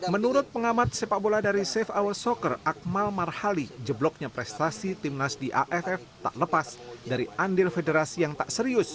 menurut pengamat sepak bola dari safe hour soccer akmal marhali jebloknya prestasi timnas di aff tak lepas dari andil federasi yang tak serius